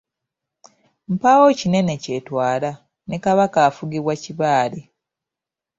Mpaawo kinene kyetwala, ne Kabaka afugibwa Kibaale.